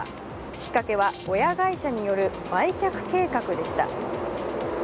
きっかけは親会社による売却計画でした。